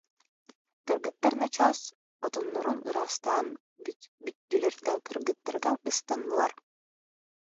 Кыргыттар начаас отоннорун ыраастаан бүттүлэр да, кыргыттарга ыстаннылар